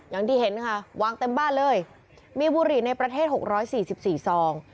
อย่างที่เห็นนะคะวางเต็มบ้านเลยมีบุหรี่ในประเทศหกร้อยสี่สิบสี่ซอง